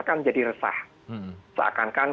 akan menjadi resah seakankan